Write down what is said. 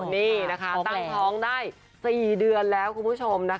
นี่นะคะตั้งท้องได้๔เดือนแล้วคุณผู้ชมนะคะ